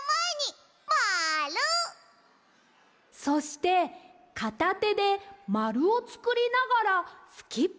そしてかたてでまるをつくりながらスキップします。